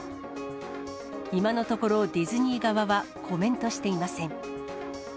今のところ、ディズニー側はコメントしていません。